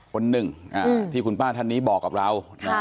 คนหนึ่งที่คุณป้าท่านนี้บอกกับเรา